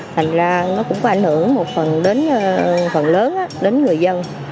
thành ra nó cũng có ảnh hưởng một phần đến phần lớn đến người dân